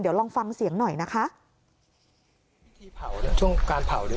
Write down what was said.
เดี๋ยวลองฟังเสียงหน่อยนะคะ